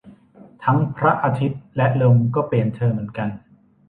ทั้งพระอาทิตย์และลมก็เปลี่ยนเธอเหมือนกัน